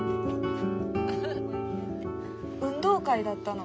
運動会だったの。